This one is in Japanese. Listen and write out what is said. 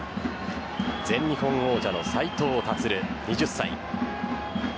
全日本王者の斉藤立、２０歳。